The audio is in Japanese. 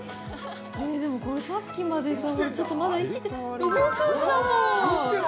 でもこれ、さっきまでさほらちょっとまだ生きて動くんだもん。